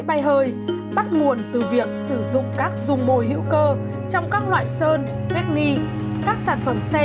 bay hơi bắt nguồn từ việc sử dụng các dùng mồi hữu cơ trong các loại sơn vét ni các sản phẩm xe